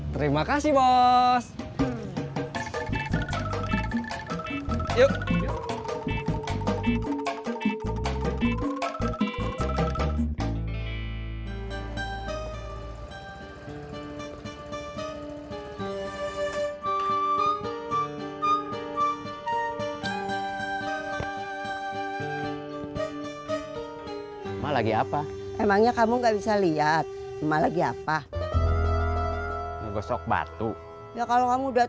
terima kasih bos